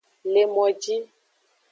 Le moji.